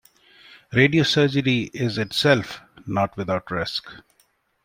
Radiosurgery is itself not without risk.